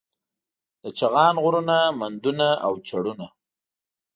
د چغان غرونه، مندونه او چړونه